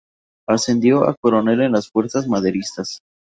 Ascendió a coronel en las fuerzas maderistas.